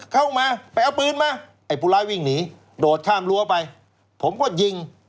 เข้าไปไปเอาปืนมาไอ้ผู้ร้ายวิ่งหนีโดดข้ามรั้วไปผมก็ยิง